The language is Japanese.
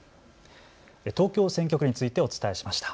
東京選挙区についてお伝えしました。